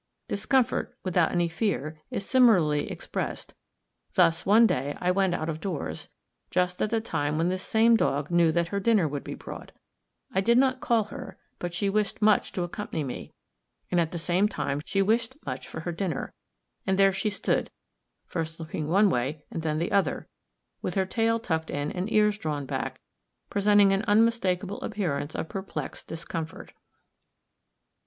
Discomfort, without any fear, is similarly expressed: thus, one day I went out of doors, just at the time when this same dog knew that her dinner would be brought. I did not call her, but she wished much to accompany me, and at the same time she wished much for her dinner; and there she stood, first looking one way and then the other, with her tail tucked in and ears drawn back, presenting an unmistakable appearance of perplexed discomfort.